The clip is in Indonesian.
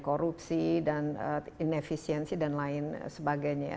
korupsi dan inefisiensi dan lain sebagainya